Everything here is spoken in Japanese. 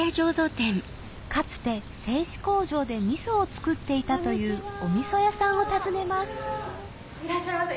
かつて製糸工場でみそを作っていたというおみそ屋さんを訪ねますいらっしゃいませ。